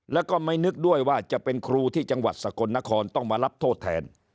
แล้วก็ไม่นึกด้วยว่าจะเป็นครูที่จังหวัดสกลนครต้องมารับโทษแทน